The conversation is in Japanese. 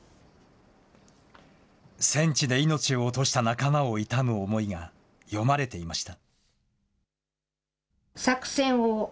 戦地で命を落とした仲間を悼む思いが詠まれていました。